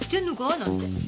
なんて。